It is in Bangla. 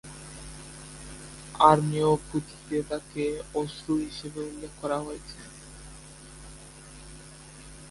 আরামিয় পুঁথিতে তাকে "অশ্রু" হিসেবে উল্লেখ করা হয়েছে।